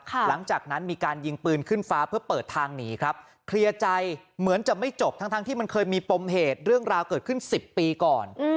หลังจากนั้นมีการยิงปืนขึ้นฟ้าเพื่อเปิดทางหนีครับเคลียร์ใจเหมือนจะไม่จบทั้งที่มันเคยมีปมเหตุเรื่องราวเกิดขึ้นสิบปีก่อน